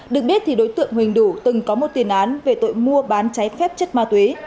được biết thì đối tượng huỳnh đủ từng có một tiền án về tội mua bán trái phép chất ma túy